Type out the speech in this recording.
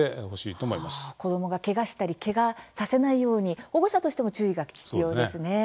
子どもが、けがしたりけがさせないように保護者としても注意が必要ですね。